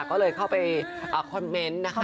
ก็เลยเข้าไปคอมเมนต์นะคะ